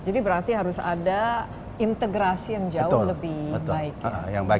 jadi berarti harus ada integrasi yang jauh lebih baik